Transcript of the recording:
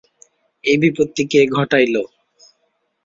এ বিপত্তি কে ঘটাইল।